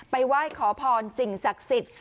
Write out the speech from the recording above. ไหว้ขอพรสิ่งศักดิ์สิทธิ์